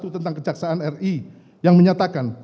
tentang kejaksaan ri yang menyatakan